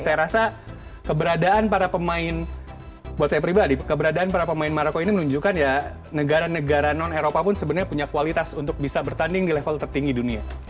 saya rasa keberadaan para pemain buat saya pribadi keberadaan para pemain maroko ini menunjukkan ya negara negara non eropa pun sebenarnya punya kualitas untuk bisa bertanding di level tertinggi dunia